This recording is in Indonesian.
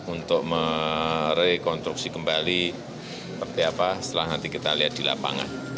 untuk merekonstruksi kembali seperti apa setelah nanti kita lihat di lapangan